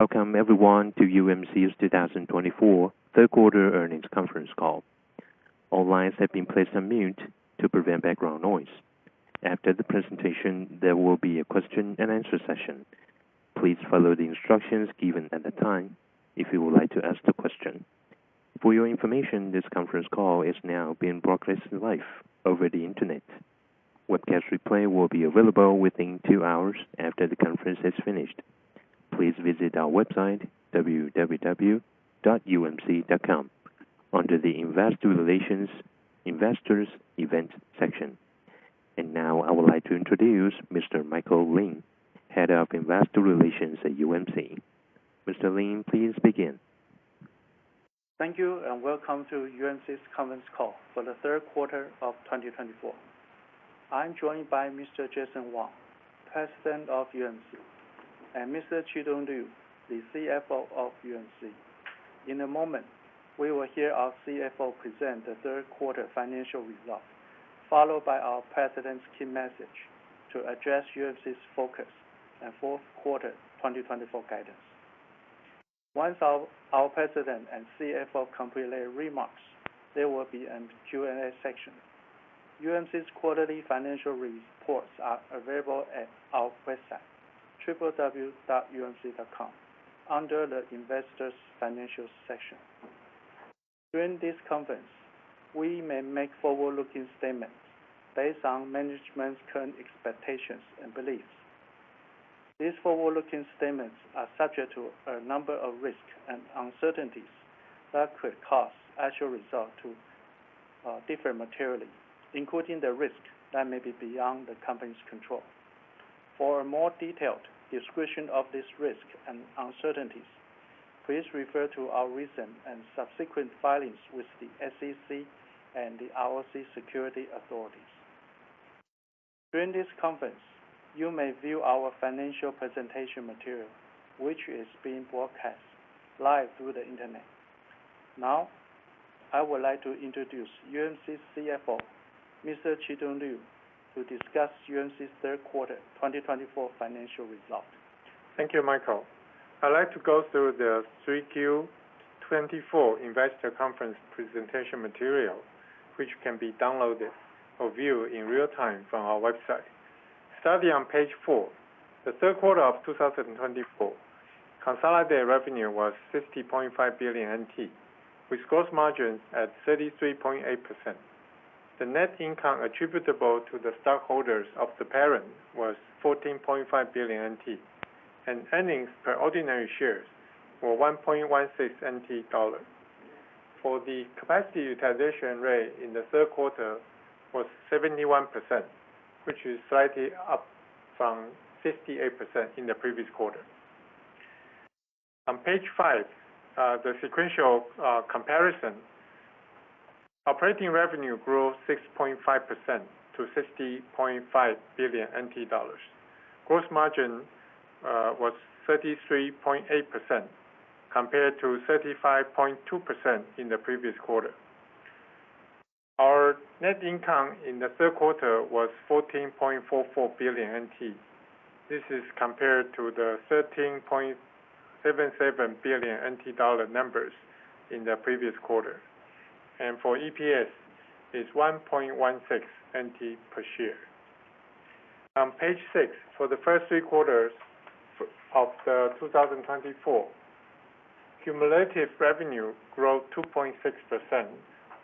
Welcome, everyone, to UMC's 2024 third quarter earnings conference call. All lines have been placed on mute to prevent background noise. After the presentation, there will be a question-and-answer session. Please follow the instructions given at the time if you would like to ask a question. For your information, this conference call is now being broadcast live over the internet. Webcast replay will be available within two hours after the conference has finished. Please visit our website, www.umc.com, under the Investor Relations/Investors Event section. And now, I would like to introduce Mr. Michael Lin, Head of Investor Relations at UMC. Mr. Lin, please begin. Thank you, and welcome to UMC's conference call for the third quarter of 2024. I'm joined by Mr. Jason Wang, President of UMC, and Mr. Chitung Liu, the CFO of UMC. In a moment, we will hear our CFO present the third quarter financial result, followed by our President's key message to address UMC's focus and fourth quarter 2024 guidance. Once our President and CFO complete their remarks, there will be a Q&A section. UMC's quarterly financial reports are available at our website, www.umc.com, under the Investors Financial section. During this conference, we may make forward-looking statements based on management's current expectations and beliefs. These forward-looking statements are subject to a number of risks and uncertainties that could cause actual results to differ materially, including the risks that may be beyond the company's control. For a more detailed description of these risks and uncertainties, please refer to our recent and subsequent filings with the SEC and the R.O.C. regulatory authorities. During this conference, you may view our financial presentation material, which is being broadcast live through the internet. Now, I would like to introduce UMC's CFO, Mr. Chitung Liu, to discuss UMC's third quarter 2024 financial result. Thank you, Michael. I'd like to go through the third quarter 2024 Investor Conference presentation material, which can be downloaded or viewed in real time from our website. Starting on page four, the third quarter of 2024, consolidated revenue was NTD 60.5 billion, with gross margins at 33.8%. The net income attributable to the stockholders of the parent was NTD 14.5 billion, and earnings per ordinary shares were NTD 1.16. For the capacity utilization rate in the third quarter was 71%, which is slightly up from 68% in the previous quarter. On page five, the sequential comparison, operating revenue grew 6.5% to NTD 60.5 billion. Gross margin was 33.8% compared to 35.2% in the previous quarter. Our net income in the third quarter was NTD 14.44 billion. This is compared to the NTD 13.77 billion numbers in the previous quarter. And for EPS, it's NTD 1.16 per share. On page six, for the first three quarters of 2024, cumulative revenue grew 2.6%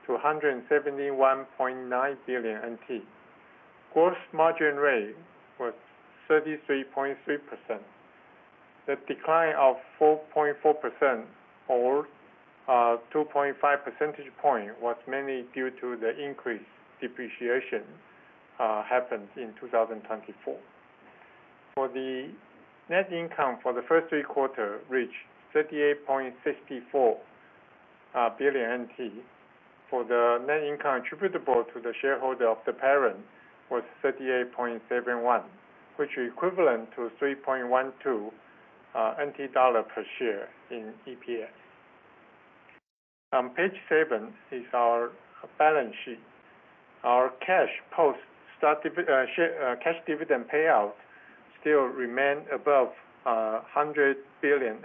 to NTD 171.9 billion. Gross margin rate was 33.3%. The decline of 4.4% or 2.5 percentage points was mainly due to the increase in depreciation that happened in 2024. For the net income for the first three quarters, it reached NTD 38.64 billion. For the net income attributable to the shareholder of the parent was NTD 38.71, which is equivalent to NTD 3.12 per share in EPS. On page seven is our balance sheet. Our cash post cash dividend payout still remained above NTD 100 billion.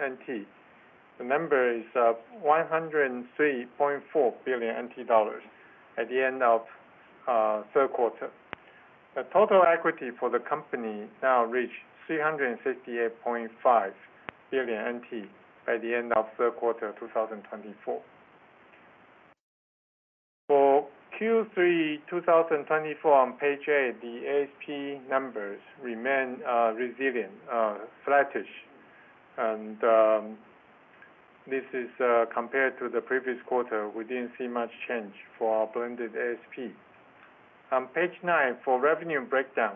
The number is NTD 103.4 billion at the end of the third quarter. The total equity for the company now reached NTD 368.5 billion by the end of the third quarter of 2024. For third quarter 2024, on page eight, the ASP numbers remained resilient, flattish. This is compared to the previous quarter; we didn't see much change for our blended ASP. On page 9, for revenue breakdown,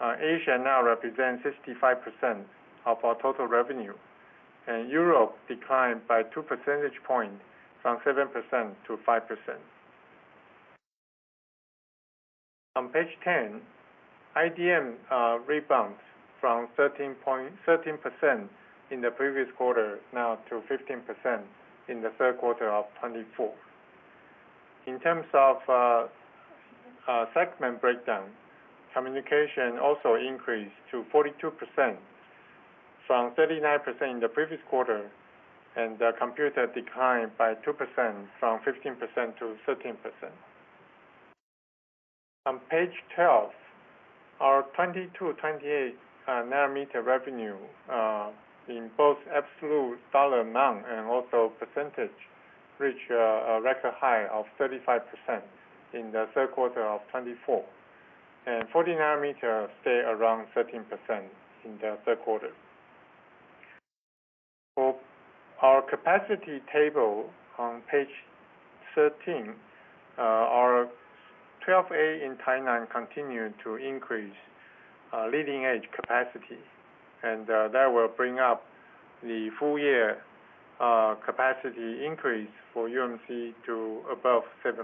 Asia now represents 65% of our total revenue, and Europe declined by 2 percentage points from 7% to 5%. On page 10, IDM rebounded from 13% in the previous quarter now to 15% in the third quarter of 2024. In terms of segment breakdown, communication also increased to 42% from 39% in the previous quarter, and the computer declined by 2% from 15% to 13%. On page 12, our 22 and 28 nanometer revenue in both absolute dollar amount and also percentage reached a record high of 35% in the third quarter of 2024, and 40 nanometer stayed around 13% in the third quarter. For our capacity table on page 13, our 12A in Tainan continued to increase leading-edge capacity, and that will bring up the full-year capacity increase for UMC to above 7%,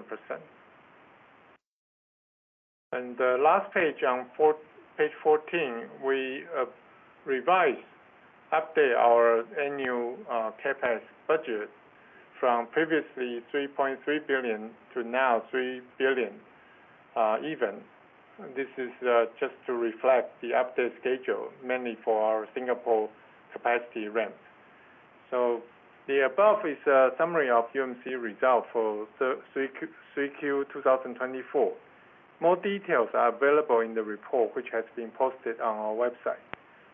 and the last page, on page 14, we revised, updated our annual CAPEX budget from previously NTD 3.3 billion to now NTD 3 billion even. This is just to reflect the update schedule, mainly for our Singapore capacity ramp, so the above is a summary of UMC results for third quarter 2024. More details are available in the report, which has been posted on our website.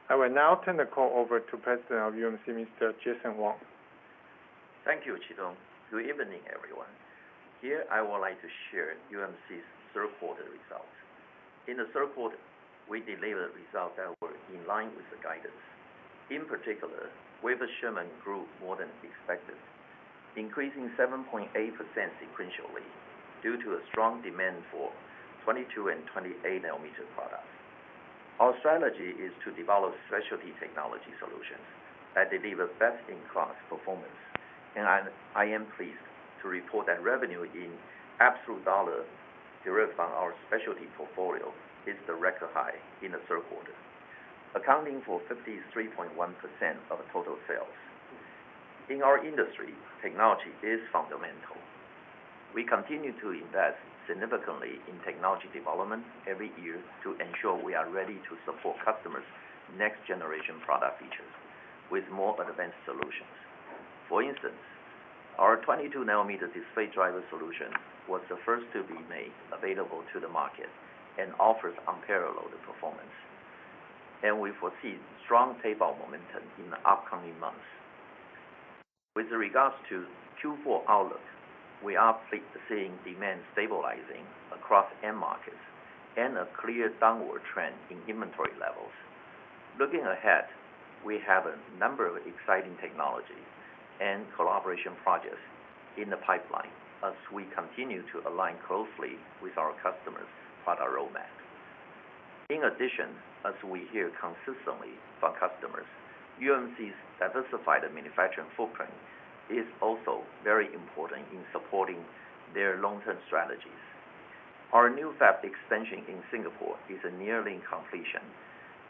I will now turn the call over to President of UMC, Mr. Jason Wang. Thank you, Chitung. Good evening, everyone. Here, I would like to share UMC's third quarter results. In the third quarter, we delivered results that were in line with the guidance. In particular, wafer shipment grew more than expected, increasing 7.8% sequentially due to a strong demand for 22 and 28 nanometer products. Our strategy is to develop specialty technology solutions that deliver best-in-class performance, and I am pleased to report that revenue in absolute dollar derived from our specialty portfolio is the record high in the third quarter, accounting for 53.1% of total sales. In our industry, technology is fundamental. We continue to invest significantly in technology development every year to ensure we are ready to support customers' next-generation product features with more advanced solutions. For instance, our 22 nanometer display driver solution was the first to be made available to the market and offers unparalleled performance, and we foresee strong payback momentum in the upcoming months. With regards to fourth quarter outlook, we are seeing demand stabilizing across end markets and a clear downward trend in inventory levels. Looking ahead, we have a number of exciting technologies and collaboration projects in the pipeline as we continue to align closely with our customers' product roadmap. In addition, as we hear consistently from customers, UMC's diversified manufacturing footprint is also very important in supporting their long-term strategies. Our new fab extension in Singapore is nearing completion,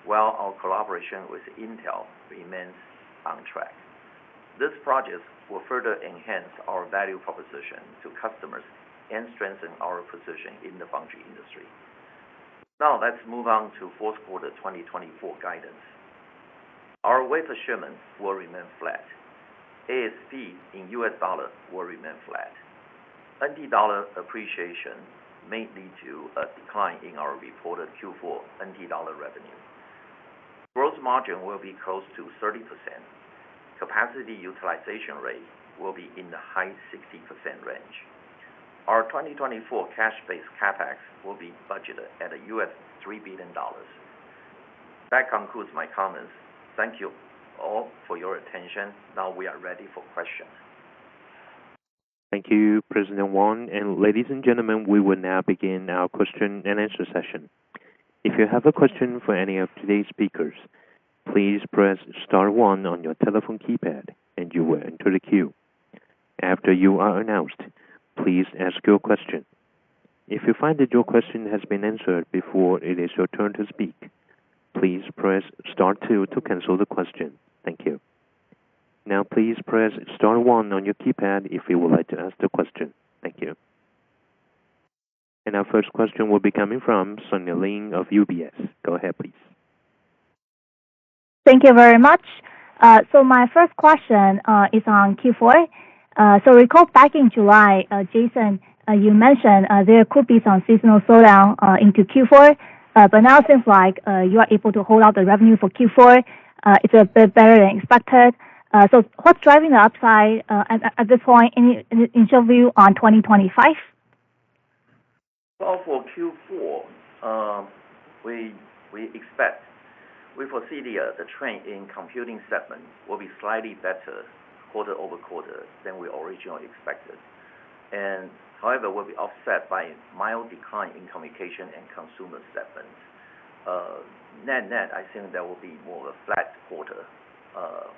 while our collaboration with Intel remains on track. These projects will further enhance our value proposition to customers and strengthen our position in the foundry industry. Now, let's move on to fourth quarter 2024 guidance. Our wafer shipment will remain flat. ASP in US dollars will remain flat. NT dollar appreciation may lead to a decline in our reported fourth quarter NT dollar revenue. Gross margin will be close to 30%. Capacity utilization rate will be in the high 60% range. Our 2024 cash-based CAPEX will be budgeted at $3 billion. That concludes my comments. Thank you all for your attention. Now, we are ready for questions. Thank you, President Wang. And ladies and gentlemen, we will now begin our question-and-answer session. If you have a question for any of today's speakers, please press star one on your telephone keypad, and you will enter the queue. After you are announced, please ask your question. If you find that your question has been answered before it is your turn to speak, please press star two to cancel the question. Thank you. Now, please press star one on your keypad if you would like to ask the question. Thank you. And our first question will be coming from Sunny Lin of UBS. Go ahead, please. Thank you very much. So my first question is on fourth quarter. So recall back in July, Jason, you mentioned there could be some seasonal slowdown into fourth quarter, but now it seems like you are able to hold out the revenue for fourth quarter. It's a bit better than expected. So what's driving the upside at this point in your view on 2025? For fourth quarter, we foresee the trend in computing segment will be slightly better quarter over quarter than we originally expected. However, we'll be offset by a mild decline in communication and consumer segment. Net net, I think there will be more of a flat quarter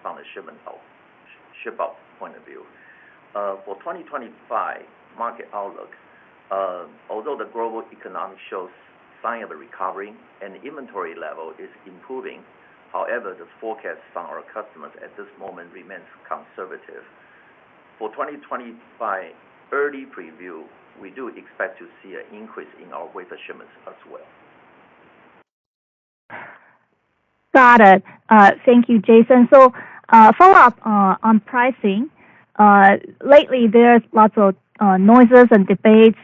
from the ship-out point of view. For 2025 market outlook, although the global economy shows signs of recovery and the inventory level is improving, however, the forecast from our customers at this moment remains conservative. For 2025 early preview, we do expect to see an increase in our wafer shipments as well. Got it. Thank you, Jason. So follow up on pricing. Lately, there's lots of noise and debates,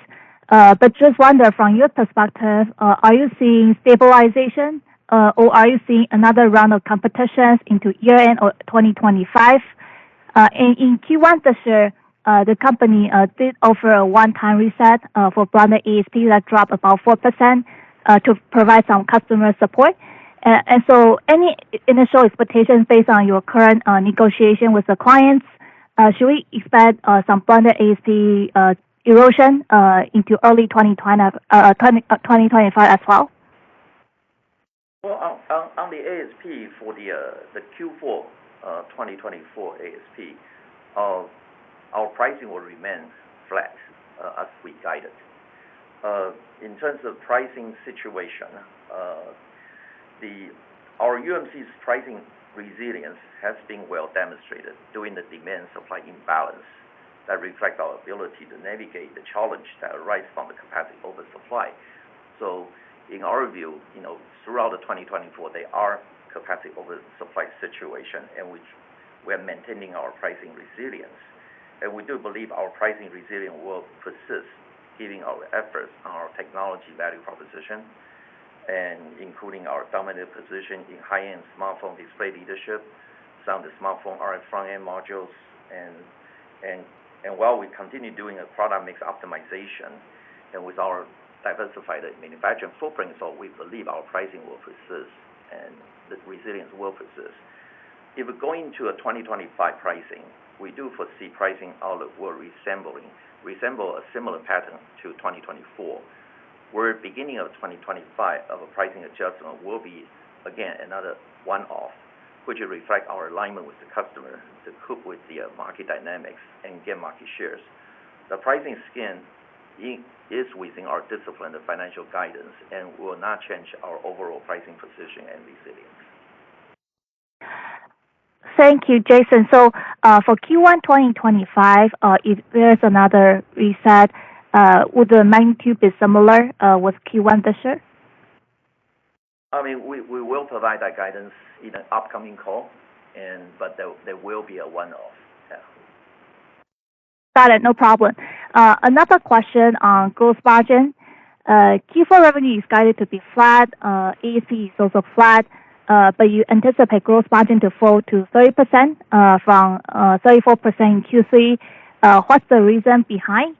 but just wonder from your perspective, are you seeing stabilization or are you seeing another round of competition into year-end or 2025? And in first quarter this year, the company did offer a one-time reset for blended ASP that dropped about 4% to provide some customer support. And so any initial expectations based on your current negotiation with the clients, should we expect some blended ASP erosion into early 2025 as well? On the ASP for the fourth quarter 2024 ASP, our pricing will remain flat as we guided. In terms of pricing situation, our UMC's pricing resilience has been well demonstrated during the demand-supply imbalance that reflects our ability to navigate the challenge that arises from the capacity oversupply. In our view, throughout the 2024, there are capacity oversupply situations, and we're maintaining our pricing resilience. We do believe our pricing resilience will persist, giving our efforts on our technology value proposition and including our dominant position in high-end smartphone display leadership, some of the smartphone RF front-end modules. While we continue doing a product mix optimization and with our diversified manufacturing footprint, we believe our pricing will persist and the resilience will persist. If we go into a 2025 pricing, we do foresee pricing outlook will resemble a similar pattern to 2024, where beginning of 2025 of a pricing adjustment will be, again, another one-off, which will reflect our alignment with the customer to cope with the market dynamics and gain market shares. The pricing scheme is within our discipline and financial guidance and will not change our overall pricing position and resilience. Thank you, Jason. So for first quarter 2025, if there's another reset, would the magnitude be similar with first quarter this year? I mean, we will provide that guidance in an upcoming call, but there will be a one-off. Got it. No problem. Another question on gross margin. Fourth quarter revenue is guided to be flat. ASP is also flat, but you anticipate gross margin to fall to 30% from 34% in third quarter. What's the reason behind,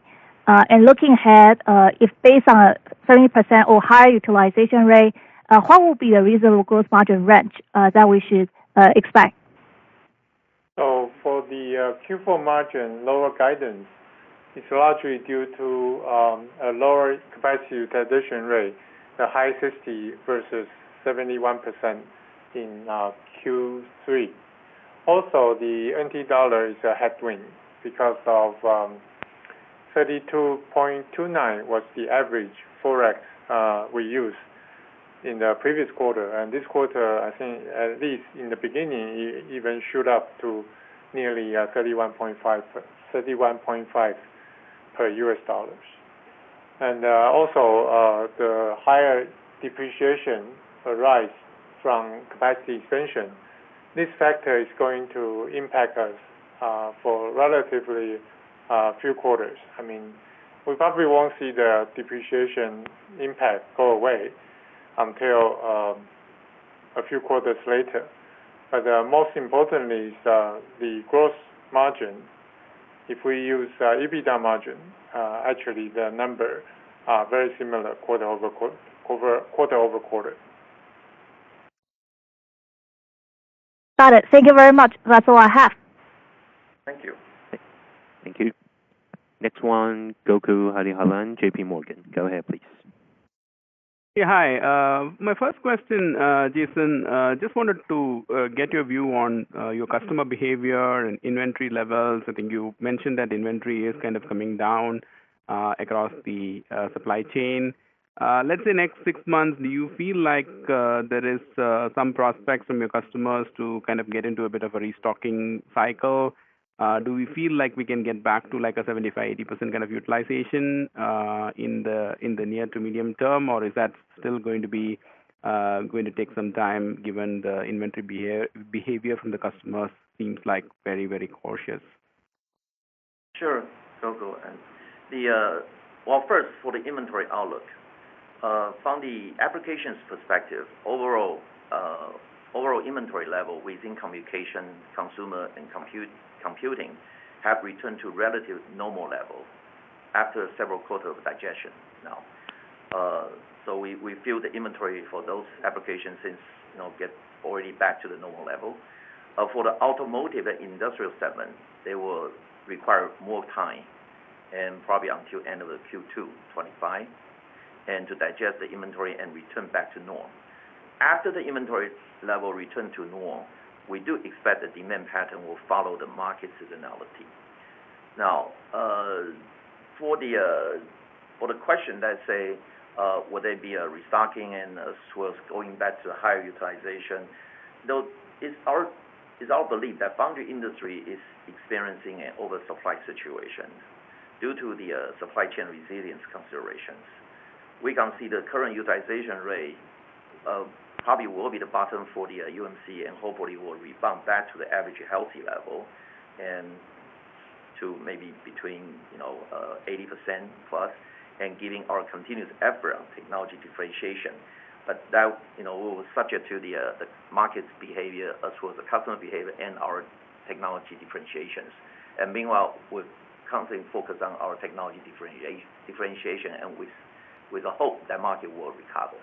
and looking ahead, if based on a 30% or higher utilization rate, what will be the reasonable gross margin range that we should expect? So, for the fourth quarter margin lower guidance, it's largely due to a lower capacity utilization rate, the high 60 versus 71% in third quarter. Also, the NT dollar is a headwind because NTD 32.29 was the average Forex we used in the previous quarter. And this quarter, I think at least in the beginning, it even shoot up to nearly NTD 31.5 per US dollars. And also, the higher depreciation arise from capacity expansion. This factor is going to impact us for relatively few quarters. I mean, we probably won't see the depreciation impact go away until a few quarters later. But most importantly, the gross margin, if we use EBITDA margin, actually the number are very similar quarter over quarter. Got it. Thank you very much. That's all I have. Thank you. Thank you. Next one, Gokul Hariharan, JPMorgan. Go ahead, please. Hey, hi. My first question, Jason, just wanted to get your view on your customer behavior and inventory levels. I think you mentioned that inventory is kind of coming down across the supply chain. Let's say next six months, do you feel like there is some prospects from your customers to kind of get into a bit of a restocking cycle? Do we feel like we can get back to like a 75% to 80% kind of utilization in the near to medium term, or is that still going to be going to take some time given the inventory behavior from the customers seems like very, very cautious? Sure, Gokul. Well, first, for the inventory outlook, from the application's perspective, overall inventory level within communication, consumer, and computing have returned to relative normal level after several quarters of digestion now. So we feel the inventory for those applications since get already back to the normal level. For the automotive and industrial segment, they will require more time and probably until end of the second quarter 2025 and to digest the inventory and return back to norm. After the inventory level return to norm, we do expect the demand pattern will follow the market seasonality. Now, for the question that say, would there be a restocking and going back to higher utilization, is our belief that foundry industry is experiencing an oversupply situation due to the supply chain resilience considerations. We can see the current utilization rate probably will be the bottom for the UMC and hopefully will rebound back to the average healthy level and to maybe between 80% plus and giving our continuous effort on technology differentiation, but that will subject to the market's behavior as well as the customer behavior and our technology differentiations, and meanwhile, we're constantly focused on our technology differentiation and with the hope that market will recover.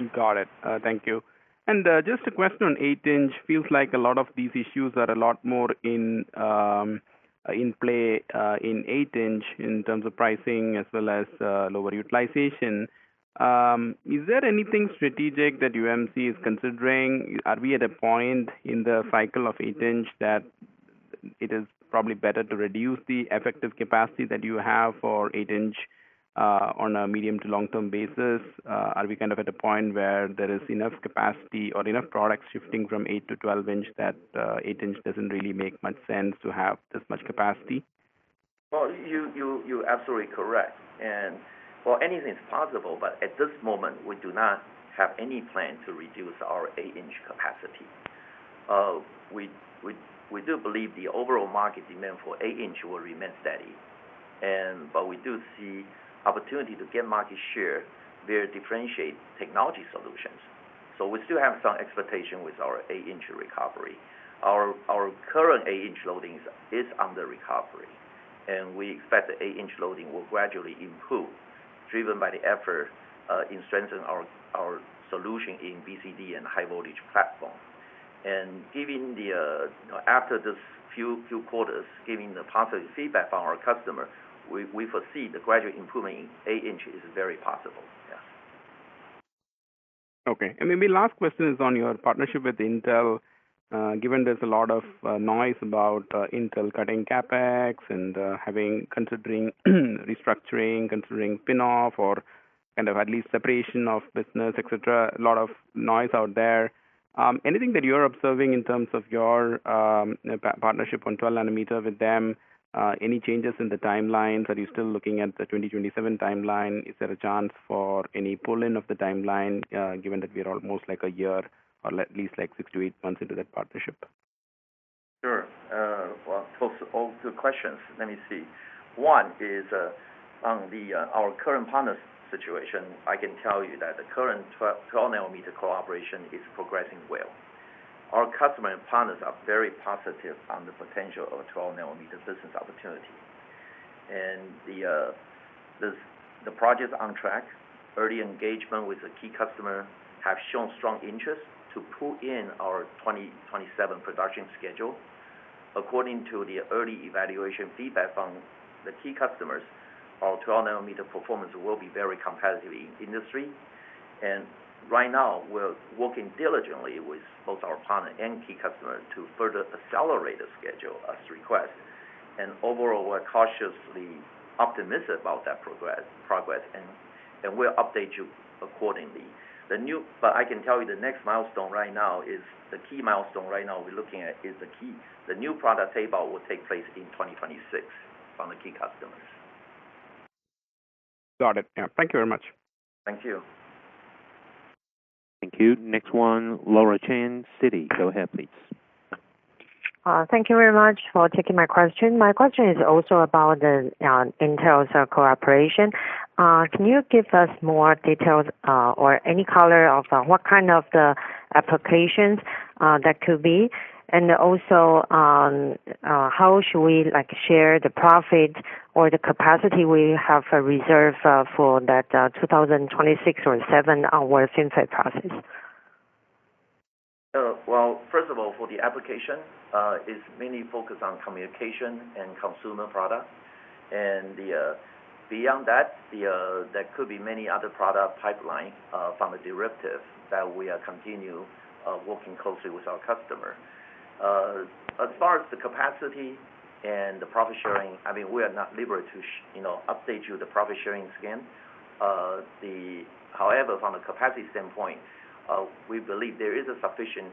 Yeah. Got it. Thank you, and just a question on 8 inches. Feels like a lot of these issues are a lot more in play in 8 inches in terms of pricing as well as lower utilization. Is there anything strategic that UMC is considering? Are we at a point in the cycle of 8 inches that it is probably better to reduce the effective capacity that you have for 8 inches on a medium to long-term basis? Are we kind of at a point where there is enough capacity or enough products shifting from 8 to 12 inches that 8 inches doesn't really make much sense to have this much capacity? You're absolutely correct. Anything is possible, but at this moment, we do not have any plan to reduce our 8 inches capacity. We do believe the overall market demand for 8 inches will remain steady, but we do see opportunity to get market share via differentiated technology solutions. So, we still have some expectation with our 8 inches recovery. Our current 8 inches loading is under recovery, and we expect the 8 inches loading will gradually improve driven by the effort in strengthening our solution in BCD and high-voltage platform. After this few quarters, giving the positive feedback from our customer, we foresee the gradual improvement in 8 inches is very possible. Yeah. Okay. And maybe last question is on your partnership with Intel. Given there's a lot of noise about Intel cutting CapEx and considering restructuring, considering spin-off or kind of at least separation of business, etc., a lot of noise out there. Anything that you're observing in terms of your partnership on 12 nanometer with them? Any changes in the timeline? Are you still looking at the 2027 timeline? Is there a chance for any pull-in of the timeline given that we are almost like a year or at least like six to eight months into that partnership? Sure. Well, good questions. Let me see. One is on our current partners' situation. I can tell you that the current 12 nanometer collaboration is progressing well. Our customer and partners are very positive on the potential of 12 nanometer business opportunity. The project's on track. Early engagement with the key customer has shown strong interest to pull in our 2027 production schedule. According to the early evaluation feedback from the key customers, our 12 nanometer performance will be very competitive in the industry. Right now, we're working diligently with both our partner and key customer to further accelerate the schedule as requested. Overall, we're cautiously optimistic about that progress, and we'll update you accordingly. I can tell you the next milestone right now is the key milestone we're looking at. The new product tapeout will take place in 2026 from the key customers. Got it. Yeah. Thank you very much. Thank you. Thank you. Next one, Laura Chen, Citi. Go ahead, please. Thank you very much for taking my question. My question is also about Intel's cooperation. Can you give us more details or any color of what kind of applications that could be? And also, how should we share the profit or the capacity we have reserved for that 2026 or 2027 onward FinFET process? First of all, for the application, it's mainly focused on communication and consumer product. And beyond that, there could be many other product pipelines from the derivatives that we are continuing working closely with our customer. As far as the capacity and the profit sharing, I mean, we are not liberal to update you the profit sharing scheme. However, from a capacity standpoint, we believe there is a sufficient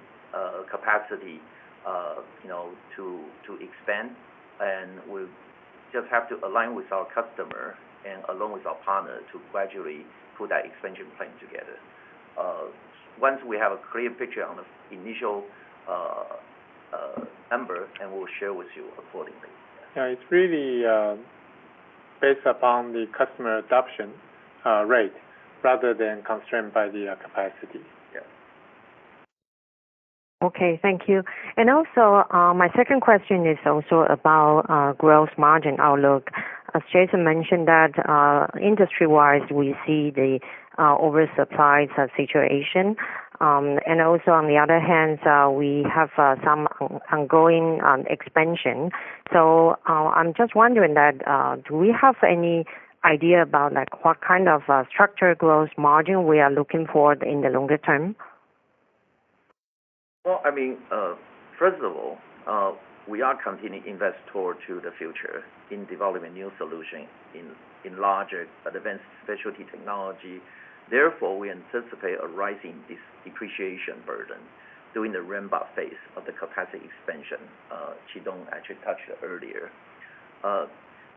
capacity to expand, and we just have to align with our customer and along with our partner to gradually put that expansion plan together. Once we have a clear picture on the initial number, and we'll share with you accordingly. Yeah. It's really based upon the customer adoption rate rather than constrained by the capacity. Yeah. Okay. Thank you. And also, my second question is also about gross margin outlook. Jason mentioned that industry-wise, we see the oversupply situation. And also, on the other hand, we have some ongoing expansion. So I'm just wondering that do we have any idea about what kind of structure gross margin we are looking for in the longer term? Well, I mean, first of all, we are continuing to invest toward the future in developing new solutions in larger advanced specialty technology. Therefore, we anticipate a rising depreciation burden during the ramp-up phase of the capacity expansion, Chitung actually touched earlier.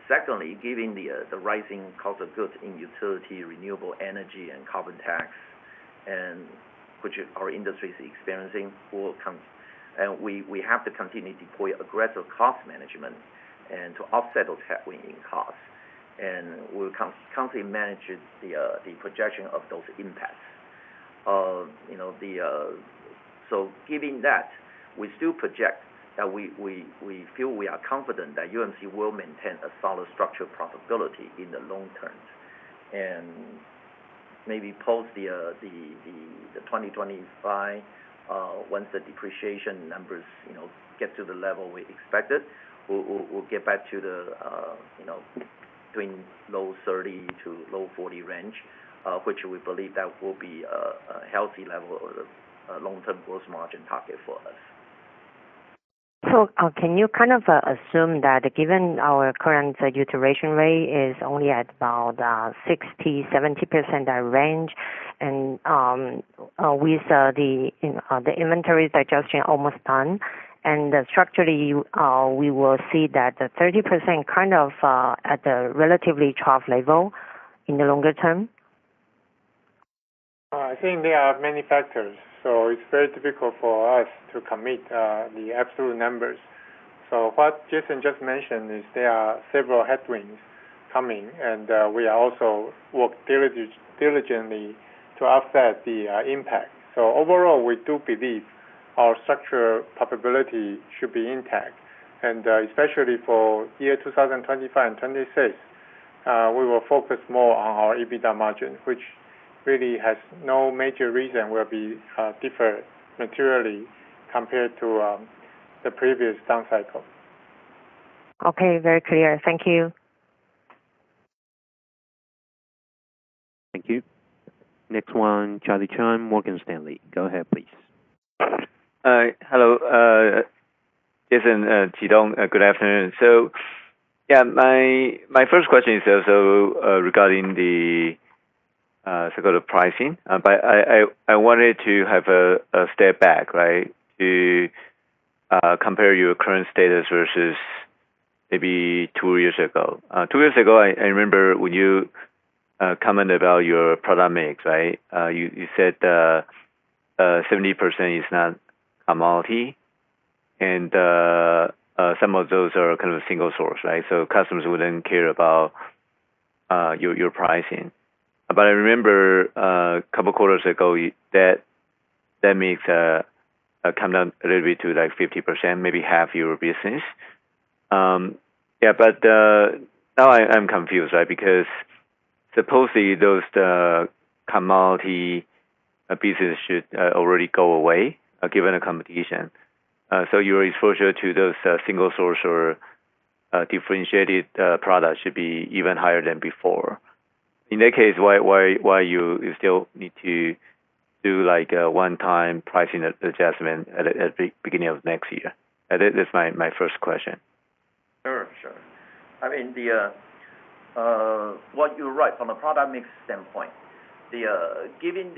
Secondly, given the rising cost of goods in utility, renewable energy, and carbon tax, which our industry is experiencing, and we have to continue to deploy aggressive cost management and to offset those headwinds in cost. And we'll constantly manage the projection of those impacts. So given that, we still project that we feel we are confident that UMC will maintain a solid structural profitability in the long term and maybe post the 2025, once the depreciation numbers get to the level we expected, we'll get back to the low 30% to low 40% range, which we believe that will be a healthy level of long-term gross margin target for us. Can you kind of assume that given our current utilization rate is only at about 60% to 70% range, and with the inventory digestion almost done, and structurally, we will see that the 30% kind of at the relatively trough level in the longer term? I think there are many factors. So it's very difficult for us to commit the absolute numbers. So what Jason just mentioned is there are several headwinds coming, and we are also working diligently to offset the impact. So overall, we do believe our structure profitability should be intact. And especially for year 2025 and 2026, we will focus more on our EBITDA margin, which really has no major reason will be differed materially compared to the previous down cycle. Okay. Very clear. Thank you. Thank you. Next one, Charlie Chan, Morgan Stanley. Go ahead, please. Hello. Jason, Chitung, good afternoon. So yeah, my first question is also regarding the quarterly pricing, but I wanted to take a step back, right, to compare your current status versus maybe two years ago. Two years ago, I remember when you commented about your product mix, right? You said 70% is not commodity, and some of those are kind of single source, right? So customers wouldn't care about your pricing. But I remember a couple of quarters ago, that mix came down a little bit to like 50%, maybe half your business. Yeah, but now I'm confused, right? Because supposedly, those commodity businesses should already go away given the competition. So, your exposure to those single source or differentiated products should be even higher than before. In that case, why you still need to do like a one-time pricing adjustment at the beginning of next year? That's my first question. Sure. Sure. I mean, you're right from a product mix standpoint. Given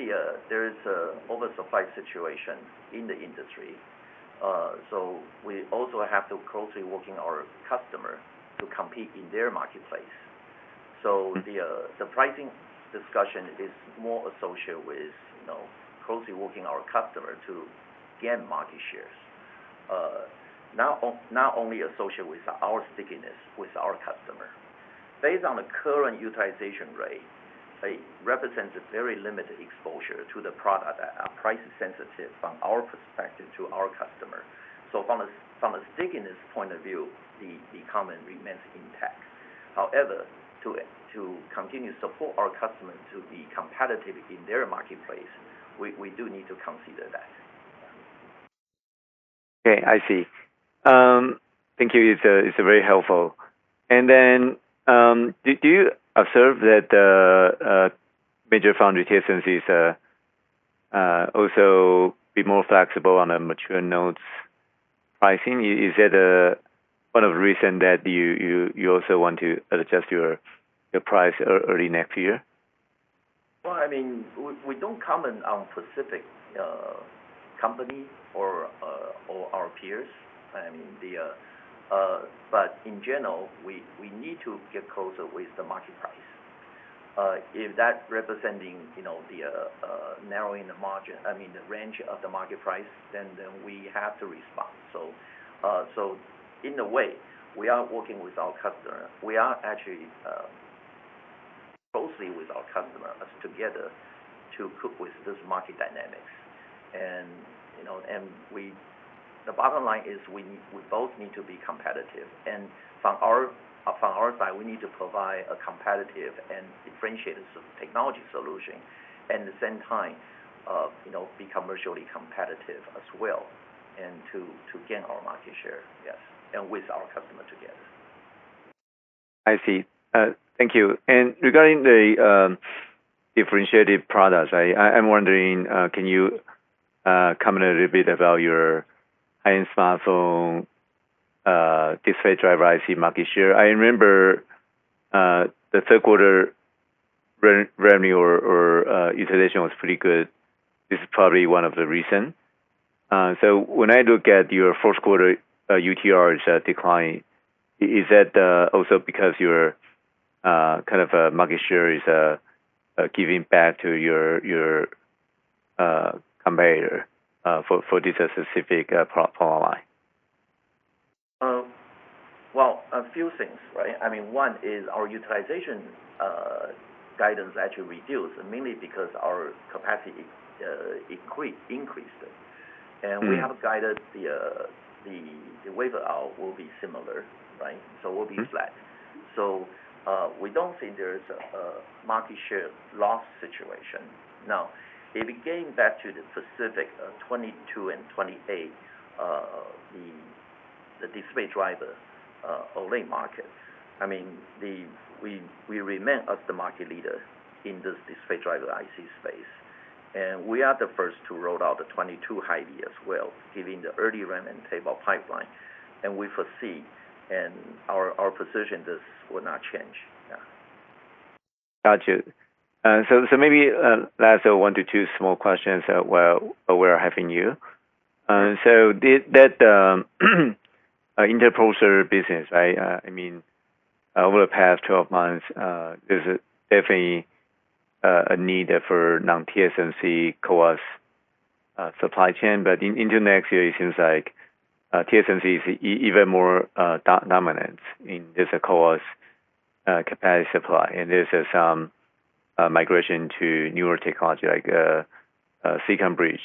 there is an oversupply situation in the industry, so we also have to closely work with our customers to compete in their marketplace. So the pricing discussion is more associated with closely working with our customers to gain market shares, not only associated with our stickiness with our customers. Based on the current utilization rate, it represents a very limited exposure to the product that are price-sensitive from our perspective to our customers. So from a stickiness point of view, the comment remains intact. However, to continue to support our customers to be competitive in their marketplace, we do need to consider that. Yeah. Okay. I see. Thank you. It's very helpful. And then do you observe that the major foundry TSMC's also be more flexible on the mature nodes pricing? Is that one of the reasons that you also want to adjust your price early next year? I mean, we don't comment on specific companies or our peers. I mean, but in general, we need to get closer with the market price. If that's representing the narrowing of the margin, I mean, the range of the market price, then we have to respond. In a way, we are working with our customers. We are actually closely with our customers together to cope with this market dynamics. The bottom line is we both need to be competitive. From our side, we need to provide a competitive and differentiated technology solution, and at the same time, be commercially competitive as well and to gain our market share, yes, and with our customers together. I see. Thank you. And regarding the differentiated products, I'm wondering, can you comment a little bit about your high-end smartphone display driver IC market share? I remember the third quarter revenue or utilization was pretty good. This is probably one of the reasons. So when I look at your first quarter UTRs decline, is that also because your kind of market share is giving back to your competitor for this specific product line? A few things, right? I mean, one is our utilization guidance actually reduced, mainly because our capacity increased. And we have guided the wafer out will be similar, right? So it will be flat. So we don't think there's a market share loss situation. Now, going back to the specific 22 and 28, the display driver OLED market, I mean, we remain as the market leader in this display driver IC space. And we are the first to roll out the 22 eHV as well, giving the early ramp and tablet pipeline. And we foresee our position will not change. Yeah. Gotcha. So maybe last, one to two small questions while we're having you. So that interposer business, I mean, over the past 12 months, there's definitely a need for non-TSMC CoWoS supply chain. But into next year, it seems like TSMC is even more dominant in this CoWoS capacity supply. And there's some migration to newer technology like silicon bridge.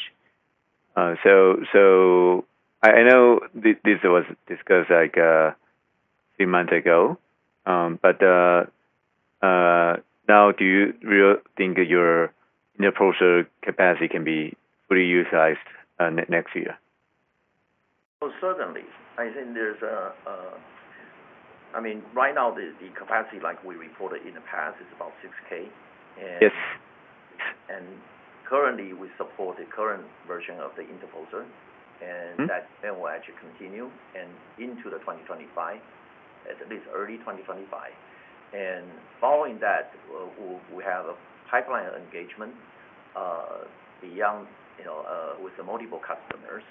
So I know this was discussed a few months ago. But now, do you think your interposer capacity can be fully utilized next year? Oh, certainly. I think there's a—I mean, right now, the capacity like we reported in the past is about 6K. And currently, we support the current version of the interposer. And that will actually continue into 2025, at least early 2025. And following that, we have a pipeline engagement with multiple customers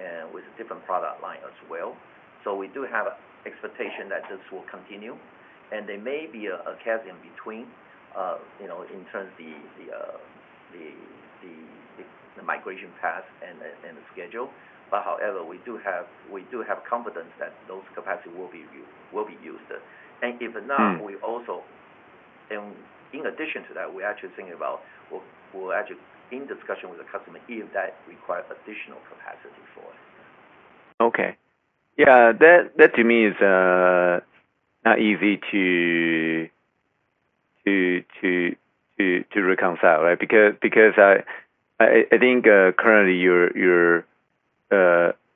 and with different product lines as well. So we do have expectation that this will continue. And there may be a chasm between in terms of the migration path and the schedule. But however, we do have confidence that those capacities will be used. And if not, we also, in addition to that, we're actually in discussion with the customer if that requires additional capacity for us. Okay. Yeah. That to me is not easy to reconcile, right? Because I think currently, your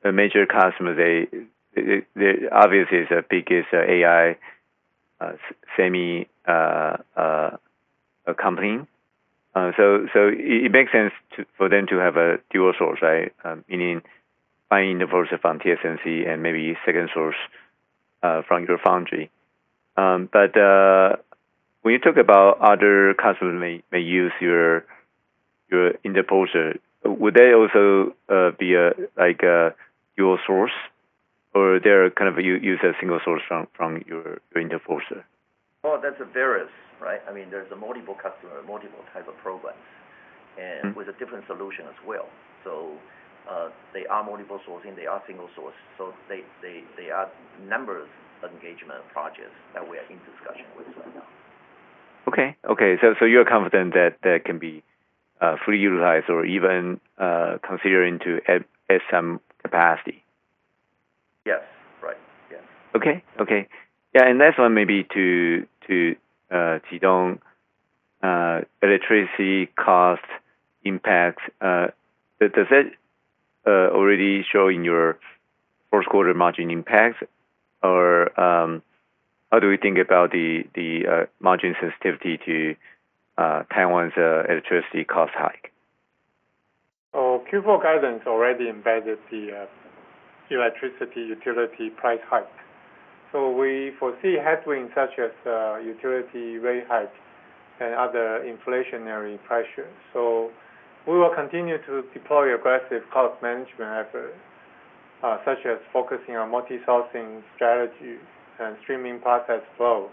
major customers, obviously, is the biggest AI semi company. So it makes sense for them to have a dual source, right? Meaning buying interposer from TSMC and maybe second source from your foundry. But when you talk about other customers may use your interposer, would they also be a dual source? Or they're kind of use a single source from your interposer? Well, that's a variance, right? I mean, there's multiple customers, multiple types of programs. And with a different solution as well. So they are multiple sourcing. They are single source. So they are numerous engagement projects that we are in discussion with right now. Okay. Okay. So you're confident that that can be fully utilized or even considering to add some capacity? Yes. Right. Yes. Okay. Yeah. And last one, maybe to Chitung, electricity cost impact. Does that already show in your first quarter margin impact? Or how do we think about the margin sensitivity to Taiwan's electricity cost hike? Oh, fourth quarter guidance already embedded the electricity utility price hike. So we foresee headwinds such as utility rate hike and other inflationary pressures. So we will continue to deploy aggressive cost management efforts, such as focusing on multi-sourcing strategy and streamlining process flow,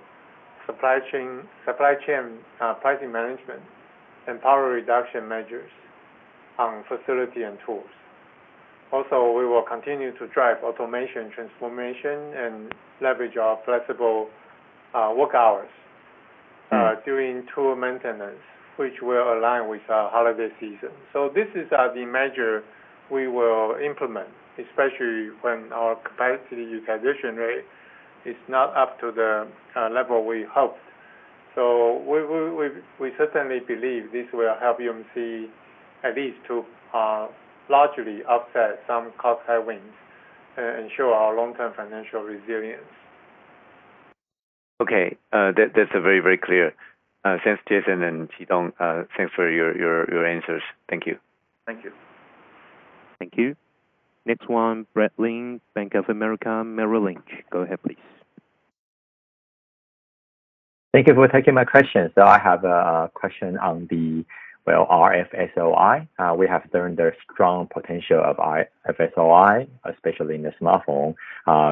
supply chain pricing management, and power reduction measures on facility and tools. Also, we will continue to drive automation transformation and leverage our flexible work hours during tool maintenance, which will align with our holiday season. So this is the measure we will implement, especially when our capacity utilization rate is not up to the level we hoped. So we certainly believe this will help UMC at least to largely offset some cost headwinds and ensure our long-term financial resilience. Okay. That's very, very clear. Thanks, Jason and Chitung, thanks for your answers. Thank you. Thank you. Thank you. Next one, Brad Linn, Bank of America Merrill Lynch. Go ahead, please. Thank you for taking my question. So I have a question on the, well, RFSOI. We have learned the strong potential of RFSOI, especially in the smartphone.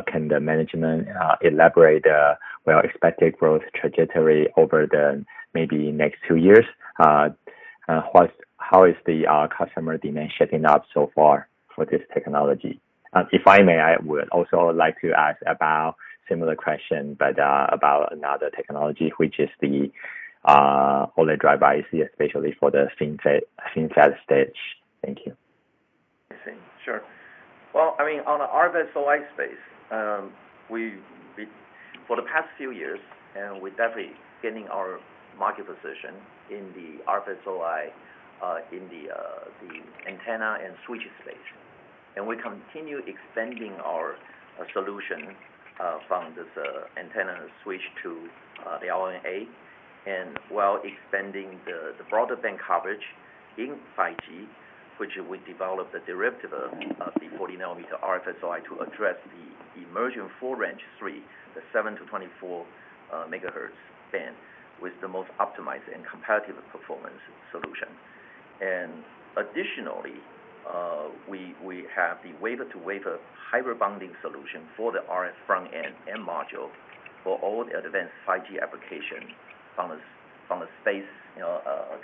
Can the management elaborate the expected growth trajectory over the maybe next two years? How is the customer demand shaping up so far for this technology? If I may, I would also like to ask about a similar question, but about another technology, which is the OLED driver IC, especially for the FinFET stage. Thank you. Sure. Well, I mean, on the RFSOI space, for the past few years, and we're definitely getting our market position in the RFSOI in the antenna and switch space. And we continue expanding our solution from this antenna switch to the LNA and while expanding the broader band coverage in 5G, which we developed the derivative, the 40 nanometer RFSOI to address the emerging FR3, the 7 to 24 GHz band with the most optimized and competitive performance solution. And additionally, we have the wafer-to-wafer hybrid bonding solution for the RF front-end and module for all the advanced 5G applications from the space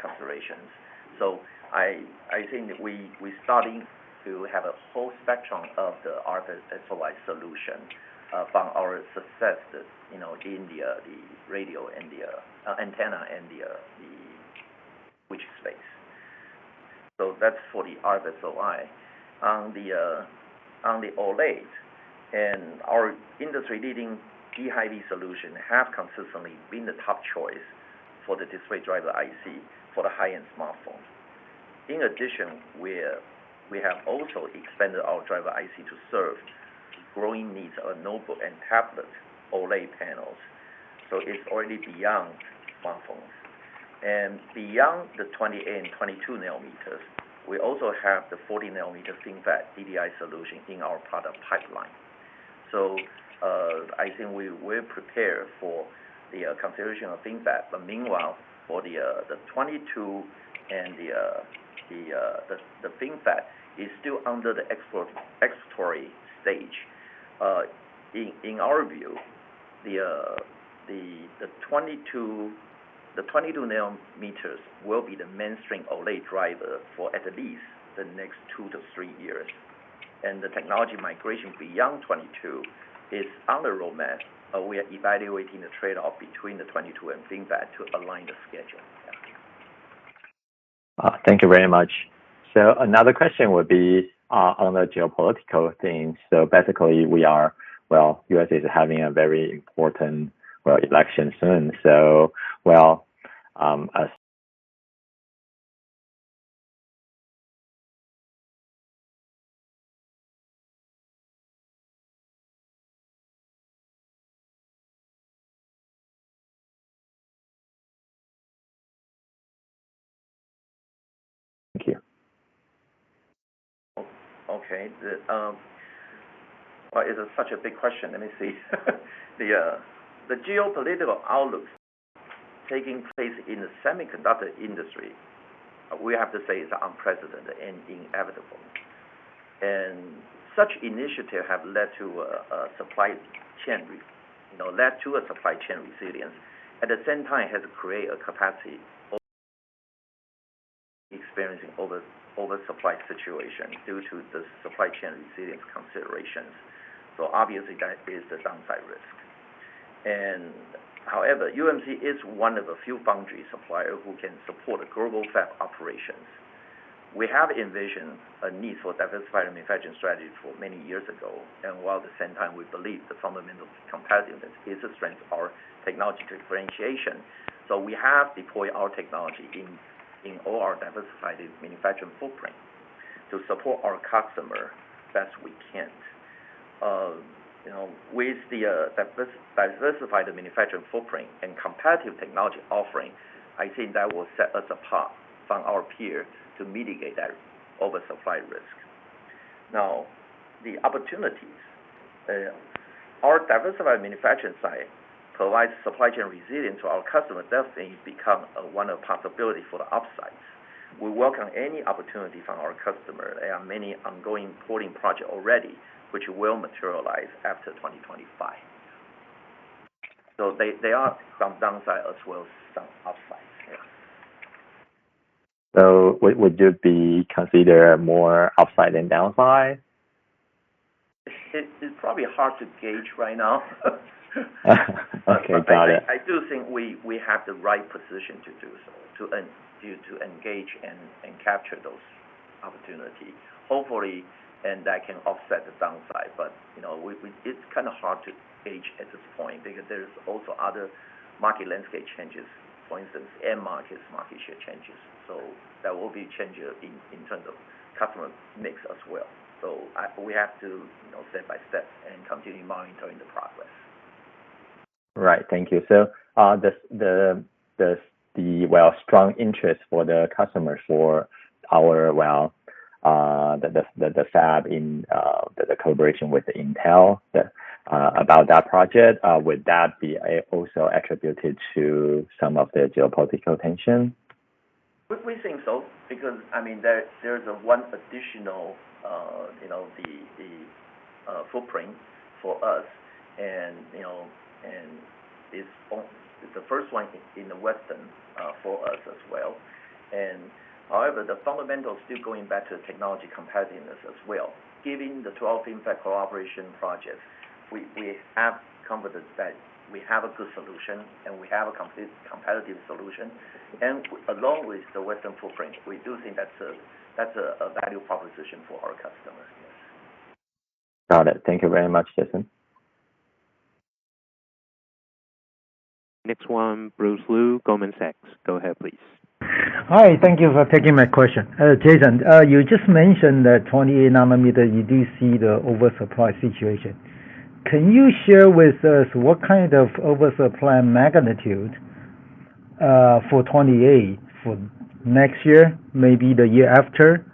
considerations. So, I think we're starting to have a full spectrum of the RFSOI solution from our successes in the radio and the antenna and the switch space. So that's for the RFSOI. On the OLEDs, our industry-leading eHV solution has consistently been the top choice for the display driver IC for the high-end smartphones. In addition, we have also expanded our driver IC to serve growing needs of notebook and tablet OLED panels. So it's already beyond smartphones. And beyond the 28 and 22 nanometers, we also have the 40 nanometer FinFET DDI solution in our product pipeline. So I think we're prepared for the consideration of FinFET. But meanwhile, for the 22 and the FinFET, it's still under the exploratory stage. In our view, the 22 nanometers will be the mainstream OLED driver for at least the next two to three years. And the technology migration beyond 22 is on the roadmap. We are evaluating the trade-off between the 22 and FinFET to align the schedule. Yeah. Thank you very much. Another question would be on the geopolitical things. Basically, well, the US is having a very important election soon. Well, thank you. Okay. Well, it's such a big question. Let me see. The geopolitical outlook taking place in the semiconductor industry, we have to say it's unprecedented and inevitable. And such initiatives have led to a supply chain resilience. At the same time, it has created a capacity experiencing oversupply situation due to the supply chain resilience considerations. So obviously, that is the downside risk. And however, UMC is one of a few foundry suppliers who can support a global fab operations. We have envisioned a need for diversified manufacturing strategy for many years ago. And while at the same time, we believe the fundamental competitiveness is a strength of our technology differentiation. So we have deployed our technology in all our diversified manufacturing footprint to support our customer best we can. With the diversified manufacturing footprint and competitive technology offering, I think that will set us apart from our peer to mitigate that oversupply risk. Now, the opportunities. Our diversified manufacturing site provides supply chain resilience to our customers. That's become one of the possibilities for the upsides. We welcome any opportunity from our customer. There are many ongoing porting projects already, which will materialize after 2025. So there are some downside as well as some upsides. Yeah. So, would you be considered more upside than downside? It's probably hard to gauge right now. Okay. Got it. I do think we have the right position to do so to engage and capture those opportunities. Hopefully, and that can offset the downside, but it's kind of hard to gauge at this point because there's also other market landscape changes, for instance, end markets, market share changes, so that will be a change in terms of customer mix as well, so we have to step by step and continue monitoring the progress. Right. Thank you. So, the, well, strong interest for the customers for our, well, the fab in the collaboration with Intel about that project, would that be also attributed to some of the geopolitical tension? We think so because, I mean, there's one additional, the footprint for us. And it's the first one in the Western for us as well. And however, the fundamentals still going back to technology competitiveness as well. Given the 12 FinFET collaboration projects, we have confidence that we have a good solution and we have a complete competitive solution. And along with the Western footprint, we do think that's a value proposition for our customers. Yes. Got it. Thank you very much, Jason. Next one, Bruce Lu, Goldman Sachs. Go ahead, please. Hi. Thank you for taking my question. Jason, you just mentioned the 28 nanometer. You do see the oversupply situation. Can you share with us what kind of oversupply magnitude for 28 for next year, maybe the year after?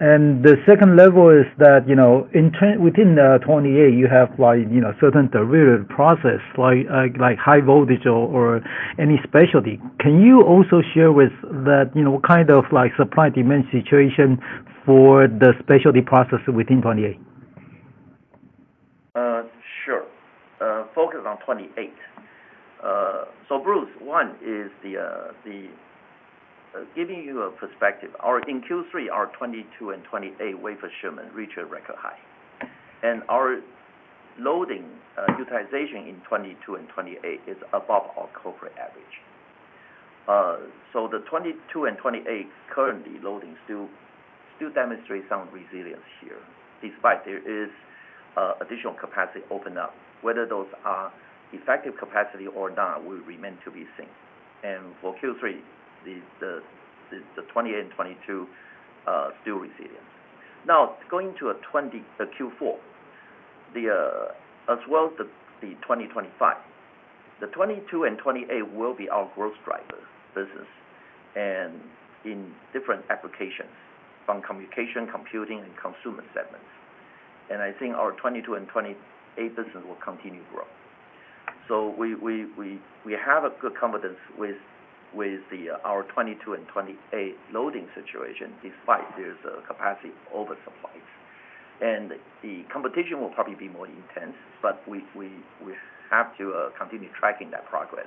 And the second level is that within 28, you have certain derivative process like high voltage or any specialty. Can you also share with that what kind of supply demand situation for the specialty process within 28? Sure. Focus on 28. So Bruce, one is giving you a perspective. In third quarter, our 22 and 28 wafer shipments reached a record high. And our loading utilization in 22 and 28 is above our corporate average. So the 22 and 28 currently loading still demonstrates some resilience here despite there is additional capacity opened up. Whether those are effective capacity or not will remain to be seen. And for third quarter, the 28 and 22 still resilient. Now, going to fourth quarter, as well as the 2025, the 22 and 28 will be our growth driver business and in different applications from communication, computing, and consumer segments. And I think our 22 and 28 business will continue to grow. So we have a good confidence with our 22 and 28 loading situation despite there's a capacity oversupplies. The competition will probably be more intense, but we have to continue tracking that progress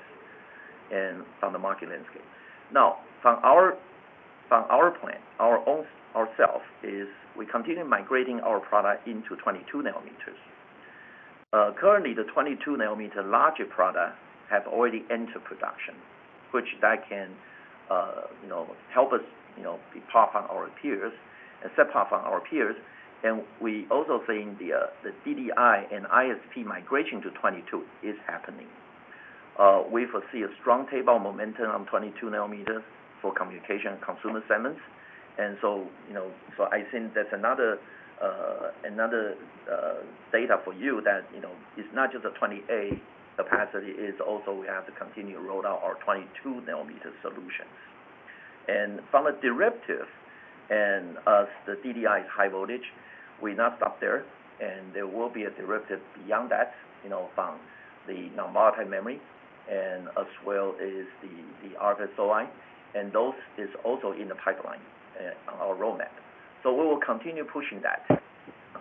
from the market landscape. Now, from our plan, ourselves, is we continue migrating our product into 22 nanometers. Currently, the 22 nanometer larger product has already entered production, which that can help us be part of our peers and set part of our peers. We also think the DDI and ISP migration to 22 is happening. We foresee a strong takeoff momentum on 22 nanometers for communication and consumer segments. So, I think that's another data for you that it's not just a 28 capacity. It's also we have to continue to roll out our 22 nanometer solutions. From a derivative and the DDI is high voltage, we're not stopped there. There will be a derivative beyond that from the non-volatile memory and as well as the RFSOI. And those is also in the pipeline on our roadmap. So, we will continue pushing that.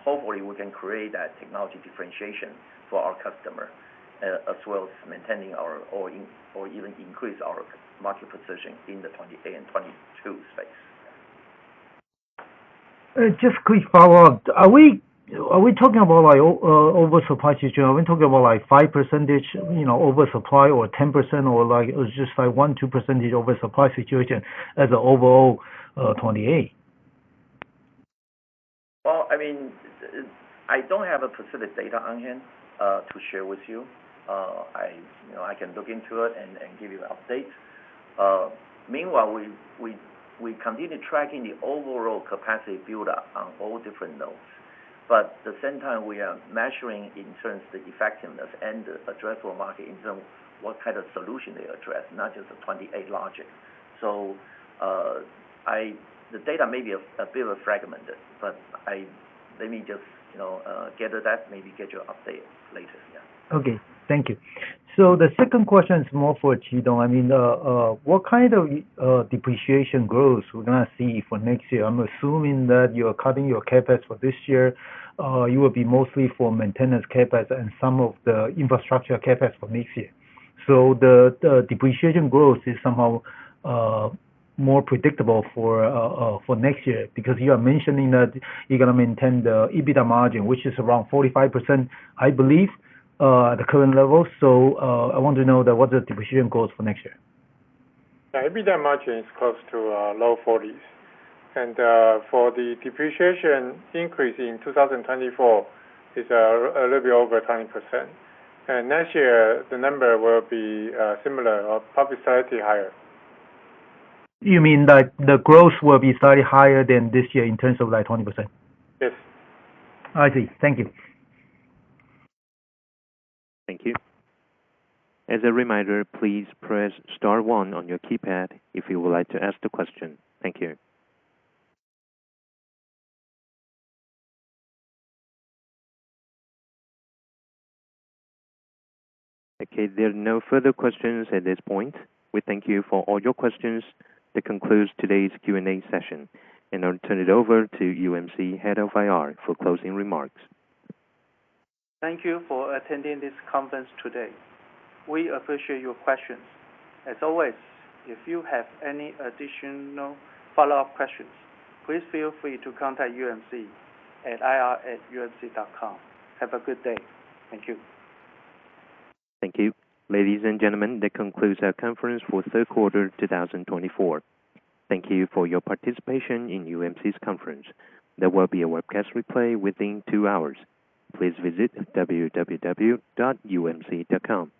Hopefully, we can create that technology differentiation for our customer as well as maintaining or even increase our market position in the 28 and 22 space. Just quick follow-up. Are we talking about our oversupply situation? Are we talking about like 5% oversupply or 10% or just like 1% to 2% oversupply situation as an overall 28? I mean, I don't have a specific data on hand to share with you. I can look into it and give you an update. Meanwhile, we continue tracking the overall capacity build-up on all different nodes. But at the same time, we are measuring in terms of the effectiveness and addressable market in terms of what kind of solution they address, not just the 28 logic. So, the data may be a bit fragmented, but let me just gather that, maybe get you an update later. Yeah. Okay. Thank you. So, the second question is more for Chitung Liu. I mean, what kind of depreciation growth we're going to see for next year? I'm assuming that you're cutting your CapEx for this year. It will be mostly for maintenance CapEx and some of the infrastructure CapEx for next year. So the depreciation growth is somehow more predictable for next year because you are mentioning that you're going to maintain the EBITDA margin, which is around 45%, I believe, at the current level. So I want to know what's the depreciation growth for next year? Yeah. EBITDA margin is close to low 40s. And for the depreciation increase in 2024, it's a little bit over 20%. And next year, the number will be similar or probably slightly higher. You mean the growth will be slightly higher than this year in terms of like 20%? Yes. I see. Thank you. Thank you. As a reminder, please press star one on your keypad if you would like to ask the question. Thank you. Okay. There are no further questions at this point. We thank you for all your questions. That concludes today's Q&A session. And I'll turn it over to UMC head of IR for closing remarks. Thank you for attending this conference today. We appreciate your questions. As always, if you have any additional follow-up questions, please feel free to contact UMC at ir@umc.com. Have a good day. Thank you. Thank you. Ladies and gentlemen, that concludes our conference for third quarter 2024. Thank you for your participation in UMC's conference. There will be a webcast replay within two hours. Please visit www.umc.com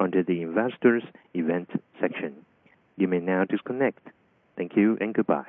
under the investors event section. You may now disconnect. Thank you and goodbye.